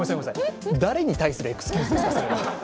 誰に対するエピソードですか？